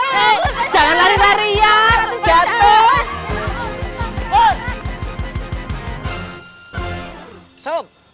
jangan lari larian jatuh